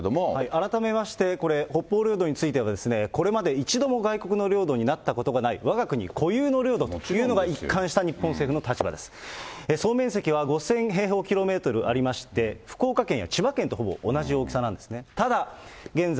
改めまして、これ北方領土については、これまで一度も外国の領土になったことがない、わが国固有の領土というのが一貫した日本政府の総面積は５０００平方キロメートルありまして、福岡県や千葉県と同じ大きさなんですね。